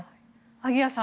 萩谷さん